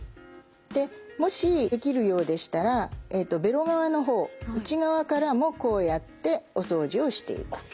でもしできるようでしたらベロ側の方内側からもこうやってお掃除をしていく。